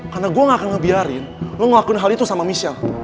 karena gue gak akan ngebiarin lo ngelakuin hal itu sama michelle